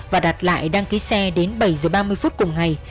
và đặt lại đăng ký xe đến bảy h ba mươi phút cùng ngày